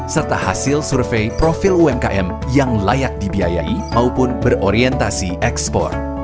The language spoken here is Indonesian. serta hasil survei profil umkm yang layak dibiayai maupun berorientasi ekspor